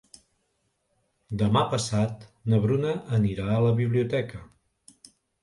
Demà passat na Bruna anirà a la biblioteca.